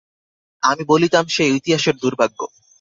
আমি বলিতাম, সে ইতিহাসের দুর্ভাগ্য!